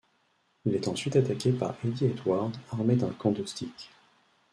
Il est ensuite attaqué par Eddie Edwards armé d'un kendo stick.